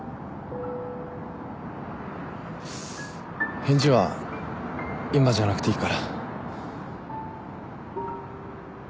返事は今じゃなくていいから。